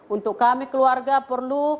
untuk kami keluarga perlu